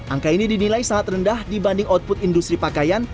angka ini dinilai sangat rendah dibanding output industri pakaian